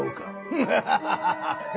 フハハハハハハ！